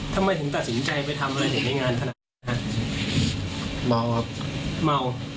ทำไมถึงตัดสินใจไปทำอะไรในงานทำอะไรนะฮะเมาครับเมา